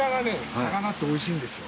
魚っておいしいんですよ。